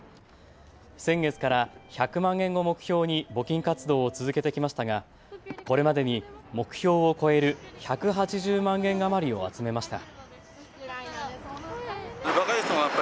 先月から１００万円を目標に募金活動を続けてきましたがこれまでに目標を超える１８０万円余りを集めました。